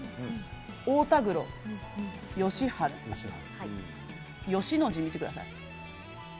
太田黒芳春、「芳」の字を見てください。